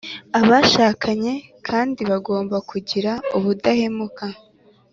abashakanye kandi bagomba kugira ubudahemuka